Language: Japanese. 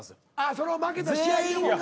その負けた試合でも。